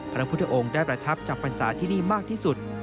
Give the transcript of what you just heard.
พระพุทธองค์ได้ประทับจำพรรษาที่นี่มากที่สุด